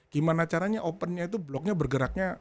gimana caranya opennya itu bloknya bergeraknya